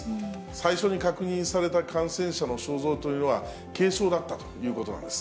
最初に確認された感染者の症状というのは、軽症だったということなんです。